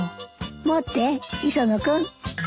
持って磯野君。